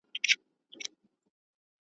د څو شېبو بیداري او هوښیاري ده ,